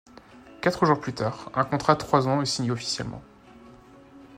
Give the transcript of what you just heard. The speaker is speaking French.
Quatre jours plus tard, un contrat de trois ans est signé officiellement.